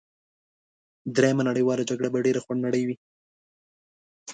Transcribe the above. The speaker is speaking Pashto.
دریمه نړیواله جګړه به ډېره خونړۍ وي